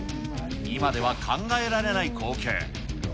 今では考えられない光景。